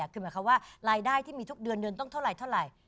คือหมายความว่ารายได้ที่มีทุกเดือนเดือนต้องเท่าไหร่